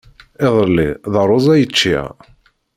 Iḍelli d rruẓ ay ččiɣ.